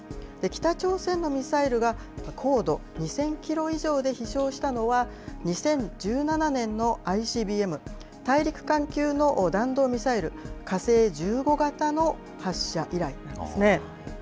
北朝鮮のミサイルが高度２０００キロ以上で飛しょうしたのは、２０１７年のＩＣＢＭ、大陸間級の弾道ミサイル火星１５型の発射以来なんですね。